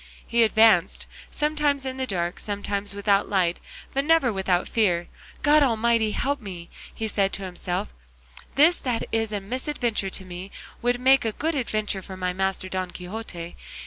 He advanced, sometimes in the dark, sometimes without light, but never without fear; "God Almighty help me!" said he to himself; "this that is a misadventure to me would make a good adventure for my master Don Quixote.